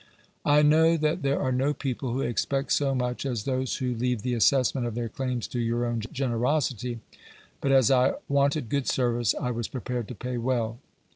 I know that there are no people who expect so much as those who leave the assessment of their claims to your own generosity; but as I wanted good service, I was prepared to pay well.